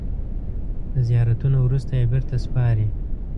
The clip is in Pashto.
د زیارتونو وروسته یې بېرته سپاري.